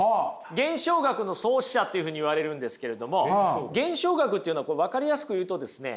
現象学の創始者っていうふうにいわれるんですけれども現象学っていうの分かりやすく言うとですね